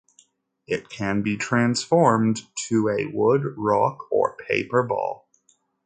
It can be transformed to a wood, rock, or paper ball.